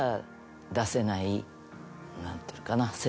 何ていうのかな。